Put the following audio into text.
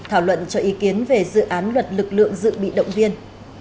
thảo luận cho ý kiến về dự án luật lực lượng dự bị động viên